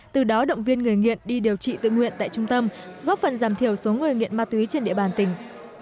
từ đó động viên người nghiện đi điều trị tự nguyện tại trung tâm góp phần giảm thiểu số người nghiện ma túy trên địa bàn tỉnh